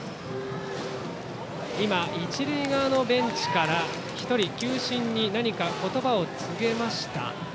一塁側のベンチから１人、球審に何か言葉を告げました。